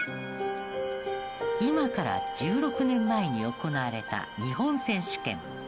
今から１６年前に行われた日本選手権。